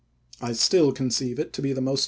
I still conceive it to be the most p.